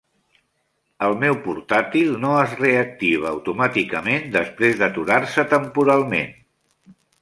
El meu portàtil no es reactiva automàticament després d'aturar-se temporalment.